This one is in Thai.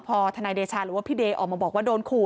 พอทนายเดชาหรือว่าพี่เดย์ออกมาบอกว่าโดนขู่